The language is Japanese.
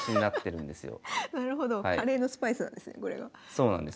そうなんです。